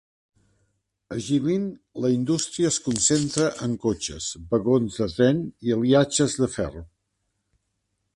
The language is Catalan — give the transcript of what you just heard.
A Jilin, la indústria es concentra en cotxes, vagons de tren i aliatges de ferro.